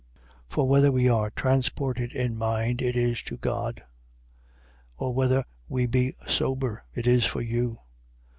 5:13. For whether we be transported in mind, it is to God: or whether we be sober, it is for you.